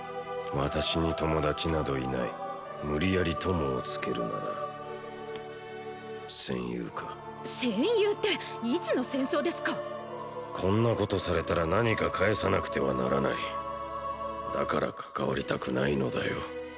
私に友達などいない無理やり「友」をつけるなら戦友か戦友っていつの戦争ですかこんなことされたら何か返さなくてはならないだから関わりたくないのだよ